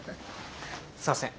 すんません。